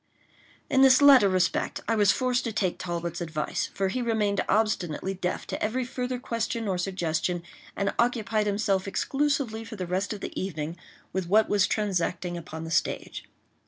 In this latter respect I was forced to take Talbot's advice; for he remained obstinately deaf to every further question or suggestion, and occupied himself exclusively for the rest of the evening with what was transacting upon the stage.